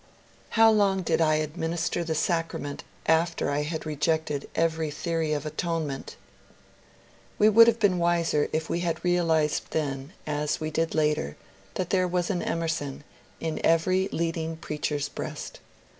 How long did I administer the sacrament after I had rejected every theory of atonement I We would have been wiser if we had realized then, as we did later, that there was an Emerson in every leading preach er's breast.